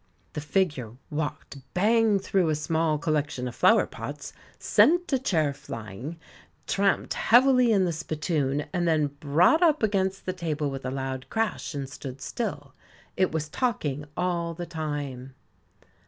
The figure walked bang through a small collection of flower pots, sent a chair flying, tramped heavily in the spittoon, and then brought up against the table with a loud crash and stood still. It was talking all the time.